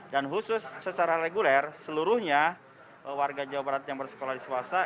dan khusus secara reguler seluruhnya warga jawa barat yang bersekolah di swasta